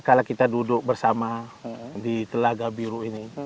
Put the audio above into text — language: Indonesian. kalau kita duduk bersama di telaga biru ini